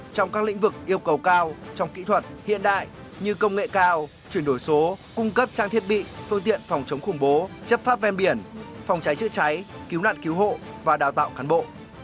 trong các lĩnh vực yêu cầu cao trong kỹ thuật hiện đại như công nghệ cao chuyển đổi số cung cấp trang thiết bị phương tiện phòng chống khủng bố chấp pháp ven biển phòng cháy chữa cháy cứu nạn cứu hộ và đào tạo cán bộ